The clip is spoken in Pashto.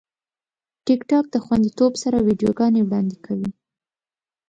ټیکټاک د خوندیتوب سره ویډیوګانې وړاندې کوي.